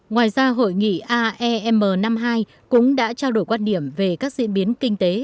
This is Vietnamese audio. ngoài ra hội nghị aem năm mươi hai cũng đã trao đổi quan điểm về các diễn biến kinh tế